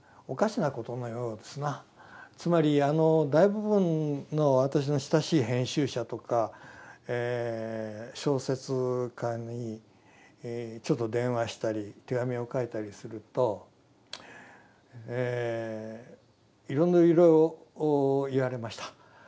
つまり大部分の私の親しい編集者とか小説家にちょっと電話したり手紙を書いたりするといろいろ言われました。